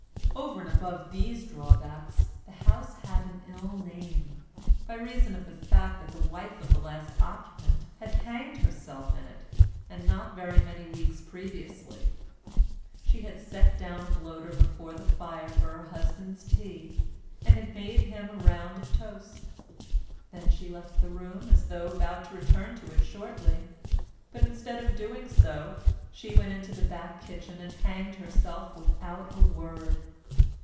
Over and above these drawbacks the house had an ill name, by reason of the fact that the wife of the last occupant had hanged herself in it not very many weeks previously. She had set down a bloater before the fire for her husband's tea, and had made him a round of toast. She then left the room as though about to return to it shortly, but instead of doing so she went into the back kitchen and hanged herself without a word.